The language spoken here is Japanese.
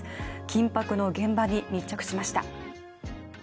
緊迫の現場に密着しました。